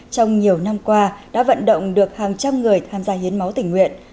trong nhiều năm qua đã vận động được hàng trăm người tham gia hiến máu tỉnh nguyện